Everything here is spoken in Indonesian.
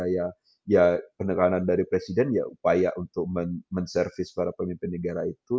ya ya penekanan dari presiden ya upaya untuk menservis para pemimpin negara itu